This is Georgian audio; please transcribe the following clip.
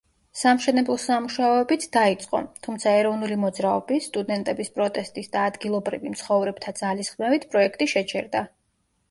სამშენებლო სამუშაოებიც დაიწყო, თუმცა ეროვნული მოძრაობის, სტუდენტების პროტესტის და ადგილობრივი მცხოვრებთა ძალისხმევით პროექტი შეჩერდა.